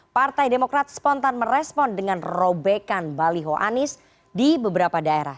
partai demokrat spontan merespon dengan robekan baliho anies di beberapa daerah